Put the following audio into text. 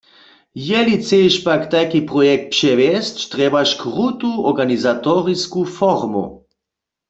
Jeli chceš pak tajki projekt přewjesć, trjebaš krutu organizatorisku formu.